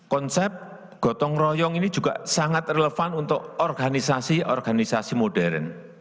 konsep gotong royong ini juga sangat relevan untuk organisasi organisasi modern